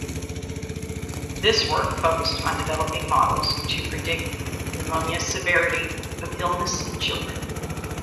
This work focused on developing models to predict pneumonia severity of illness in children.